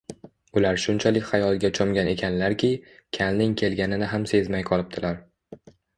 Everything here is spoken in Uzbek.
Ular shunchalik xayolga cho‘mgan ekanlarki, kalning kelganini ham sezmay qolibdilar